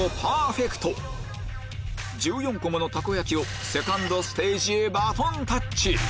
１４個ものたこ焼きをセカンドステージへバトンタッチ